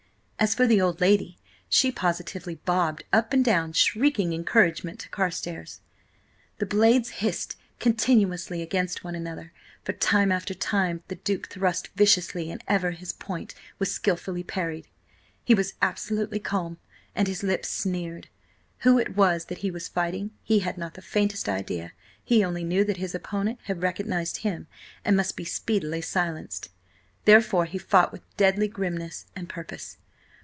As for the old lady, she positively bobbed up and down shrieking encouragement to Carstares. The blades hissed continuously against one another; time after time the Duke thrust viciously, and ever his point was skilfully parried. He was absolutely calm, and his lips sneered. Who it was that he was fighting, he had not the faintest idea; he only knew that his opponent had recognised him and must be speedily silenced. Therefore he fought with deadly grimness and purpose.